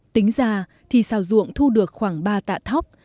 tính ra thì sao ruộng thu được khoảng ba tạ thóc